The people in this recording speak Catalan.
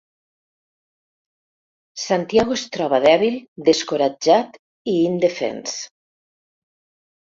Santiago es troba dèbil, descoratjat i indefens.